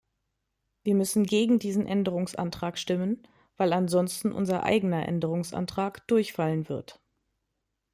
Wir müssen gegen diesen Änderungsantrag stimmen, weil ansonsten unser eigener Änderungsantrag durchfallen wird.